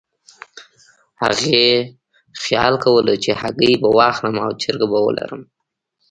هغې خیال کولو چې هګۍ به واخلم او چرګې به ولرم.